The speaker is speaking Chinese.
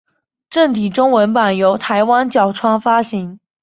正体中文版由台湾角川发行。